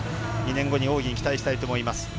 ２年後に大いに期待したいと思います。